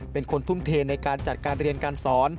เป็นคนทุ่มเทในการจัดการเรียนการสอน